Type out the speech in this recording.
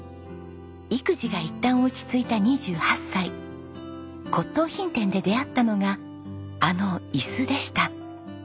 育児がいったん落ち着いた２８歳骨董品店で出合ったのがあの椅子でした。